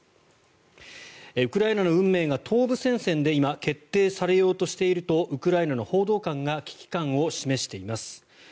ウクライナの運命が東部戦線で今決定されようとしているとウクライナの報道官が懸念を示しています。